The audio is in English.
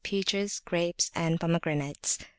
389]peaches, grapes, and pomegranates.